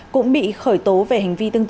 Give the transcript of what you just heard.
cũng bị khởi tố về hành vi tương tự